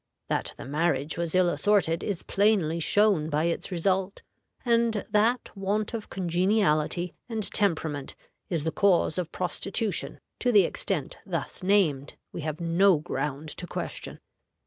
That the marriage was ill assorted is plainly shown by its result, and that want of congeniality and temperament is the cause of prostitution to the extent thus named we have no ground to question.